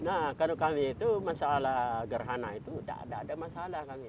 nah kalau kami itu masalah gerhana itu tidak ada masalah kami